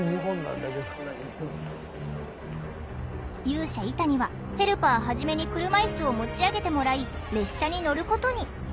勇者イタニはヘルパーハジメに車いすを持ち上げてもらい列車に乗ることに。